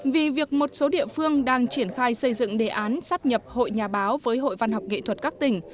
vì việc một số địa phương đang triển khai xây dựng đề án sắp nhập hội nhà báo với hội văn học nghệ thuật các tỉnh